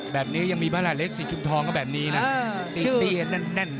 แบบนี้ยังมีไหมล่ะเล็กสีชุมทองก็แบบนี้นะตี้กันแน่น